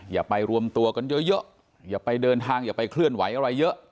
อย่าไปรวมตัวกันเยอะอย่าไปเดินทางอย่าไปเคลื่อนไหวอะไรเยอะ